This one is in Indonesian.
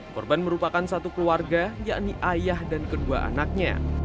korban merupakan satu keluarga yakni ayah dan kedua anaknya